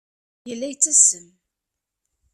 Yella yettasem.